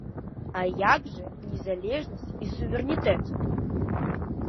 А як жа незалежнасць і суверэнітэт?